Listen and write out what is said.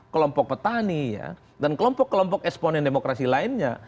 kelompok petani dan kelompok kelompok eksponen demokrasi lainnya